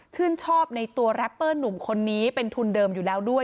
ชื่นชอบในตัวแรปเปอร์หนุ่มคนนี้เป็นทุนเดิมอยู่แล้วด้วย